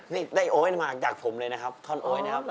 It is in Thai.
นี่ได้โอ๊ยมาจากผมเลยนะครับท่อนโอ๊ยนะครับ